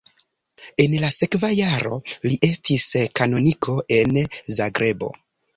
En la sekva jaro li estis kanoniko en Zagrebo.